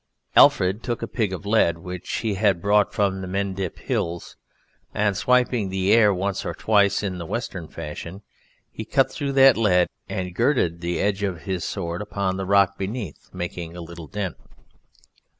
Alfred took a pig of lead which he had brought from the Mendip Hills, and swiping the air once or twice in the Western fashion, he cut through that lead and girded the edge of his sword upon the rock beneath, making a little dent.